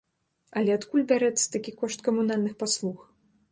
Але адкуль бярэцца такі кошт камунальных паслуг?